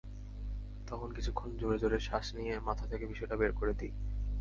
তখন কিছুক্ষণ জোরে জোরে শ্বাস নিয়ে মাথা থেকে বিষয়টা বের করে দিই।